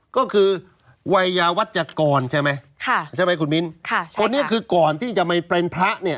ก็คือวัยยาวัชกรใช่ไหมค่ะใช่ไหมคุณมิ้นค่ะคนนี้คือก่อนที่จะไม่เป็นพระเนี่ย